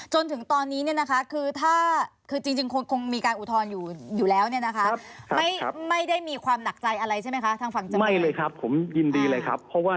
จนถึงตอนนี้เนี่ยนะคะคือถ้า